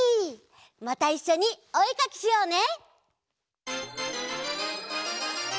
またいっしょにおえかきしようね！